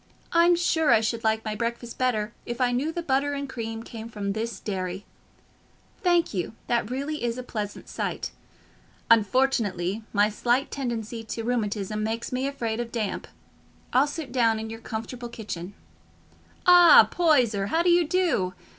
"I'm sure I should like my breakfast better if I knew the butter and cream came from this dairy. Thank you, that really is a pleasant sight. Unfortunately, my slight tendency to rheumatism makes me afraid of damp: I'll sit down in your comfortable kitchen. Ah, Poyser, how do you do?